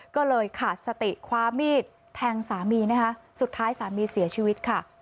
ก็เลยขาดสติคว้ามีดแทงสามีนะคะสุดท้ายสามีเสียชีวิตค่ะ